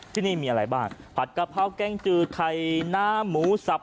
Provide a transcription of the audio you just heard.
ที่นี่มีอะไรบ้างผัดกะเพราแกงจืดไข่น้ำหมูสับ